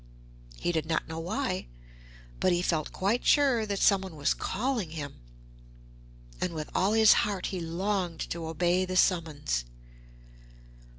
He did not know why, but he felt quite sure that someone was calling him, and with all his heart he longed to obey the summons.